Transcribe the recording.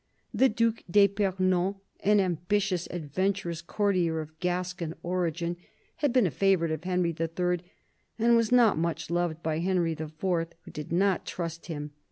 The Due d'fipernon, an ambitious, adventurous courtier of Gascon origin, had been a favourite of Henry III., and was not much loved by Henry IV., who did not trust him.